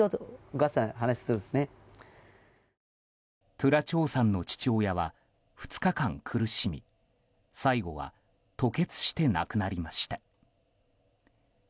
トゥラ・チョーさんの父親は２日間、苦しみ最後は吐血して亡くなりました。